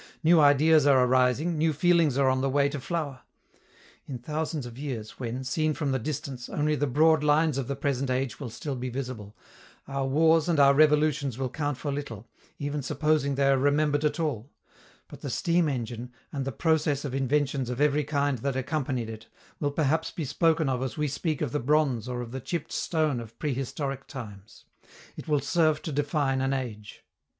New ideas are arising, new feelings are on the way to flower. In thousands of years, when, seen from the distance, only the broad lines of the present age will still be visible, our wars and our revolutions will count for little, even supposing they are remembered at all; but the steam engine, and the procession of inventions of every kind that accompanied it, will perhaps be spoken of as we speak of the bronze or of the chipped stone of prehistoric times: it will serve to define an age.